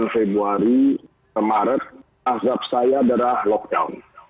februari maret azab saya adalah lockdown